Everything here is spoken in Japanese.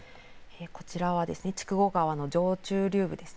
こちらは筑後川の上中流部です。